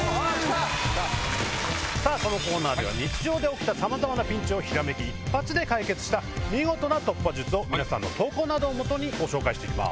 さあ、このコーナーでは日常で起きたさまざまなピンチをひらめき一発で解決した見事な突破術を、皆さんに投稿などを基にご紹介していきます。